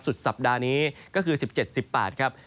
สุดสัปดาห์นี้ก็คือ๑๗๑๘ครับ